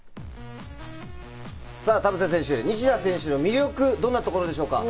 田臥選手、西田選手の魅力はどんなところでしょうか？